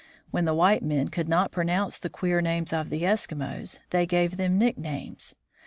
When the white men could not pronounce the queer names of the Eskimos, they gave them nicknames.